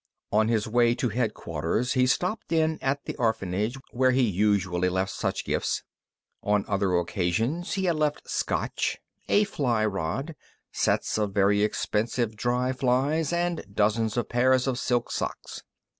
On his way to Headquarters he stopped in at the orphanage where he usually left such gifts. On other occasions he had left Scotch, a fly rod, sets of very expensive dry flies, and dozens of pairs of silk socks.